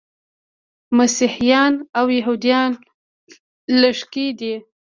مسیحیان او یهودان لږکي دي.